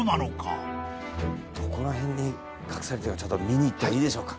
どこら辺に隠されてるか見に行っていいでしょうか。